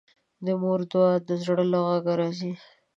د مور دعا د زړه له غږه راځي